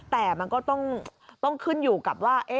แต่ต้องขึ้นอยู่กับว่า